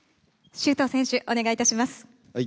周東選手、お願いいたします。